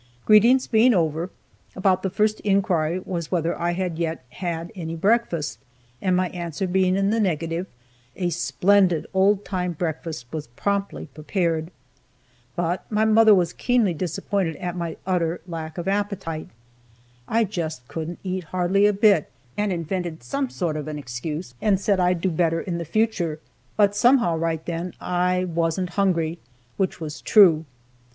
Greetings being over, about the first inquiry was whether I had yet had any breakfast, and my answer being in the negative, a splendid old time breakfast was promptly prepared. But my mother was keenly disappointed at my utter lack of appetite. I just couldn't eat hardly a bit, and invented some sort of an excuse, and said I'd do better in the future, but, somehow, right then, I wasn't hungry, which was true.